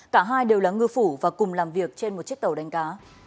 cả hai đều là ngư phủ và cùng làm việc trên một chiếc tàu đánh cá